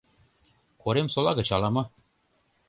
Коремсола гыч ала-мо...